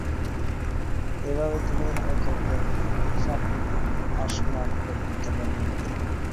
এভাবে তিনি একে একে সাতটি আসমান পর্যন্ত বর্ণনা দিলেন।